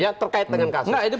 yang terkait dengan kasus